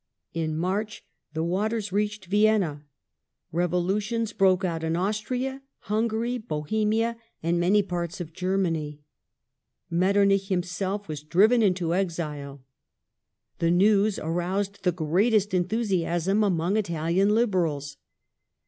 In March the watei s reached Vienna ; revolutions broke out in Austria, Hungary, Bohemia, and many parts of Germany ; Metternich himself was driven into exile. The news aroused the greatest enthusiasm among Italian Liberals.